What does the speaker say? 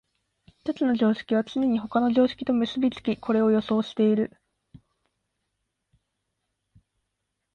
一つの常識はつねに他の常識と結び付き、これを予想している。